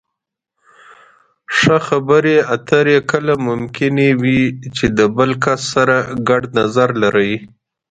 ښه خبرې اترې کله ممکنې وي چې د بل کس سره ګډ نظر لرئ.